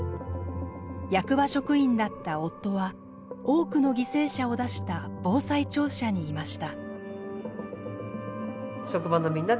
役場職員だった夫は多くの犠牲者を出した防災庁舎にいました。